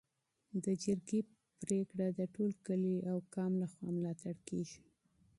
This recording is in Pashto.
د جرګې پریکړه د ټول کلي او قوم لخوا ملاتړ کيږي.